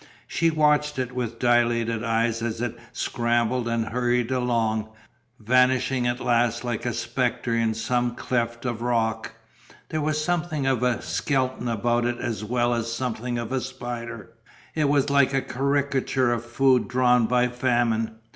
She watched it with dilated eyes as it scrambled and hurried along, vanishing at last like a spectre in some cleft of the rock. There was something of a skeleton about it as well as something of a spider, it was like a caricature of food drawn by Famine.